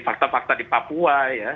fakta fakta di papua ya